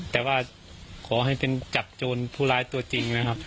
แต่ว่าขอให้เป็นจับโจรผู้ร้ายตัวจริงนะครับ